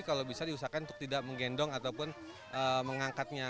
kalau bisa diusahakan untuk tidak menggendong ataupun mengangkatnya